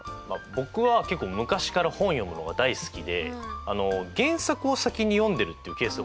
僕は結構昔から本読むのが大好きで原作を先に読んでるっていうケースが多いんですよ。